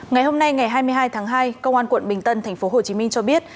ngày hôm nay ngày hai mươi hai tháng hai công an quận bình tân tp hcm cho biết